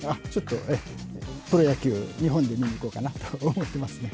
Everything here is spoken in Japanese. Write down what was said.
ちょっと、プロ野球、日本で見にいこうかなと思ってます。